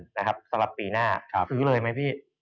สำหรับปีหน้าซื้อเลยไหมพี่